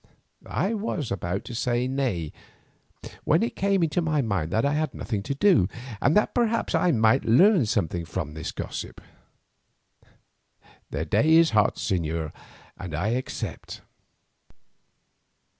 I was about to say him nay, when it came into my mind that I had nothing to do, and that perhaps I might learn something from this gossip. "The day is hot, señor, and I accept."